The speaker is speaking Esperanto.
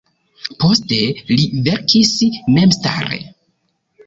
Poste li verkis memstare.